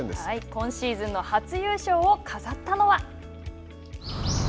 今シーズンの初優勝を飾ったのは。